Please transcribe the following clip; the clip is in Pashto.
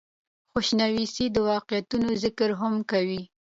دَخوشنويسۍ دَواقعاتو ذکر هم کوي ۔